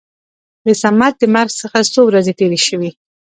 د صمد د مرګ څخه څو ورځې تېرې شوې.